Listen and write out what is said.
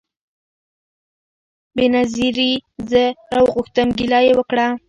بېنظیري زه راوغوښتم ګیله یې وکړه